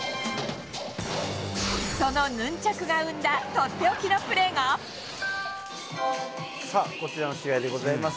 そのヌンチャクが生んだとっておさあ、こちらの試合でございます。